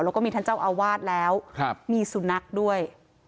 แล้วก็มีท่านเจ้าอาวาสแล้วมีสุนัขด้วย